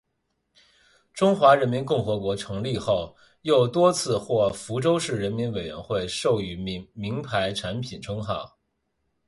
中华人民共和国成立后又多次获福州市人民委员会授予名牌产品称号。